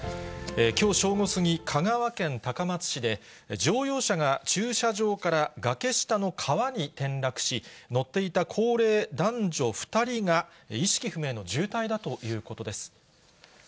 きょう正午過ぎ、香川県高松市で、乗用車が駐車場から崖下の川に転落し、乗っていた高齢男女２人が意識不明の重体だということです。